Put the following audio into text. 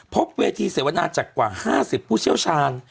พบเวทีเสวนาจากกว่า๕๐ผู้เชี่ยวชาญ